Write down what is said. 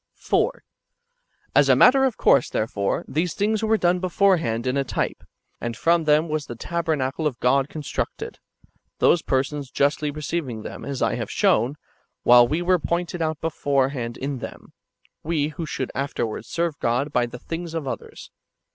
4. As a matter of course, therefore, these things were done beforehand in a type, and from them was the tabernacle of God constructed ; those persons justly receiving them, as I have shown, while we were pointed out beforehand in them, — [we] who should afterwards serve God by the things of others.